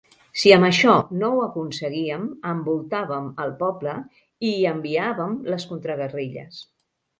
Si amb això no ho aconseguíem, envoltàvem el poble i hi enviàvem les contraguerrilles.